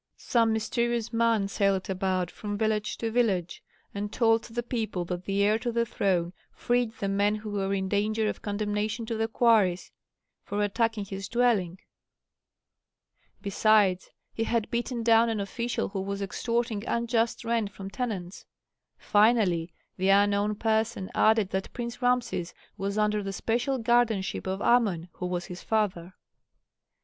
Some mysterious man sailed about from village to village and told the people that the heir to the throne freed the men who were in danger of condemnation to the quarries for attacking his dwelling. Besides, he had beaten down an official who was extorting unjust rent from tenants. Finally, the unknown person added that Prince Rameses was under the special guardianship of Amon, who was his father.